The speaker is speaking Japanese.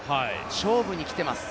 勝負に来ています。